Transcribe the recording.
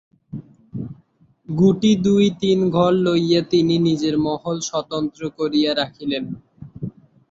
গুটি দুই-তিন ঘর লইয়া তিনি নিজের মহল স্বতন্ত্র করিয়া রাখিলেন।